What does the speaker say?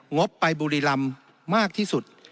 งบไปบุรีรำมากที่สุด